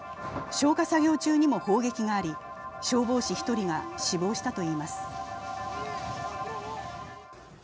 消火作業中にも砲撃があり、消防士１人が死亡したといいます。